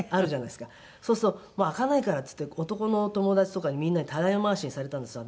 そうすると開かないからっつって男の友達とかにみんなにたらい回しにされたんですよ